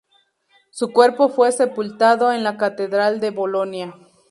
Su cuerpo fue sepultado en la Catedral de Bolonia.